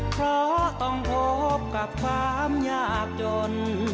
เพราะต้องพบกับความยากจน